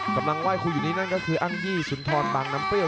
คืออังยีสุนทรบางน้ำเปรี้ยว